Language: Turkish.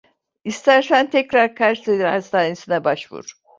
İstersen tekrar Kayseri Hastanesi'ne başvur.